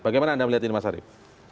bagaimana anda melihat ini mas arief